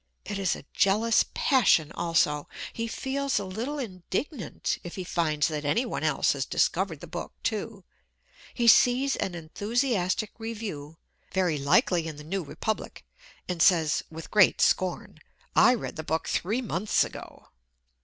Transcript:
It is a jealous passion also. He feels a little indignant if he finds that any one else has discovered the book, too. He sees an enthusiastic review very likely in The New Republic and says, with great scorn, "I read the book three months ago."